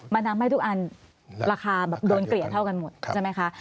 มันทำให้ทุกอันราคาแบบโดนเกลี่ยเท่ากันหมดใช่ไหมคะ